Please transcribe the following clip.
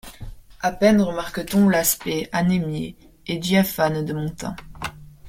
À peine remarque-t-on l’aspect anémié et diaphane de mon teint.